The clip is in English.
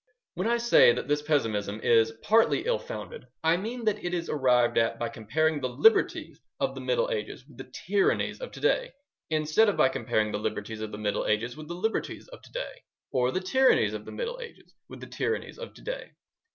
When I say that this pessimism is partly ill founded, I mean that it is arrived at by comparing the liberties of the Middle Ages with the tyrannies of to day, instead of by comparing the liberties of the Middle Ages with the liberties of to day, or the tyrannies of the Middle Ages with the tyrannies of to day.